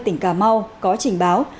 tỉnh cà mau có trình báo